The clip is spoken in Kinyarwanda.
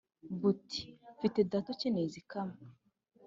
buti " mfite data ukeneye izikamwa ".